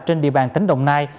trên địa bàn tỉnh đồng nai